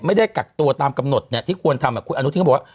ไม่ได้กักตัวตามกำหนดที่ควรทำคุณอนุทินก็บอกว่า